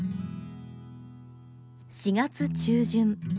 ４月中旬。